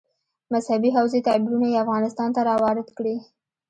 مذهبي حوزې تعبیرونه یې افغانستان ته راوارد کړي.